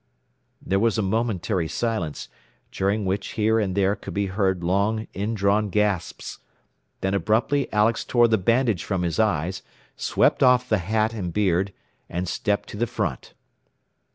There was a momentary silence, during which here and there could be heard long in drawn gasps. Then abruptly Alex tore the bandage from his eyes, swept off the hat and beard, and stepped to the front.